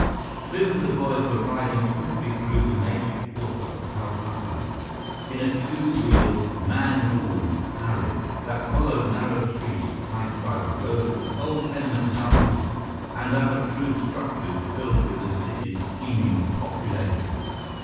Soon the boys were riding swiftly through the native quarter of Calcutta, in a two wheeled, man hauled carriage that followed narrow streets flanked by rows of old tenement houses and other crude structures filled with the city's teeming population.